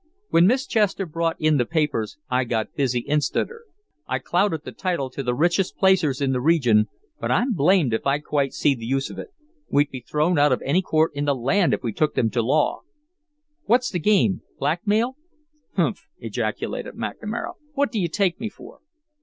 When Miss Chester brought in the papers I got busy instanter. I clouded the title to the richest placers in the region, but I'm blamed if I quite see the use of it. We'd be thrown out of any court in the land if we took them to law. What's the game blackmail?" "Humph!" ejaculated McNamara. "What do you take me for?"